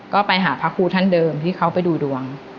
ก็ไปหาพระครูท่านเดิมที่เขาไปดูดวง